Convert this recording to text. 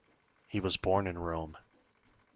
He was born in Rome.